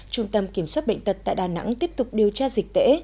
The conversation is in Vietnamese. trung tâm kiểm soát bệnh tật tại đà nẵng tiếp tục điều tra dịch tễ